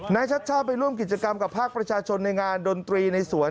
ชัดชาติไปร่วมกิจกรรมกับภาคประชาชนในงานดนตรีในสวน